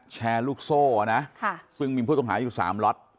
แชร์ลูกโซ่นะซึ่งมีผู้ต้องหาอยู่๓ล็อต